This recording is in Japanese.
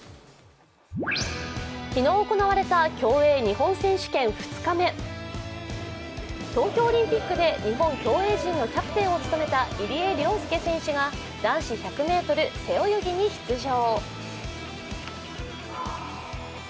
昨日行われた競泳日本選手権２日目東京オリンピックで日本競泳陣のキャプテンを務めた入江陵介選手が男子１００ｍ背泳ぎに出場。